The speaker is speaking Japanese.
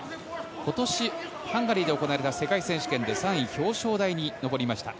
今年、ハンガリーで行われた世界選手権で３位、表彰台に上りました。